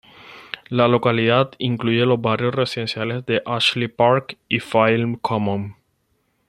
La localidad incluye los barrios residenciales de Ashley Park y Field Common.